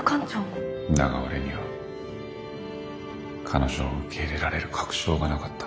だが俺には彼女を受け入れられる確証がなかった。